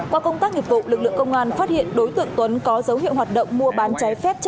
qua công tác nghiệp vụ lực lượng công an phát hiện đối tượng tuấn có dấu hiệu hoạt động mua bán trái phép